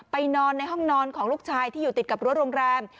นอนในห้องนอนของลูกชายที่อยู่ติดกับรั้วโรงแรม